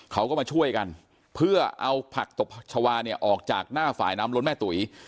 เขาก็มาช่วยกันเพื่อเอาผักตบชาวาเนี่ยออกจากหน้าฝ่ายน้ำล้นแม่ตุ๋ย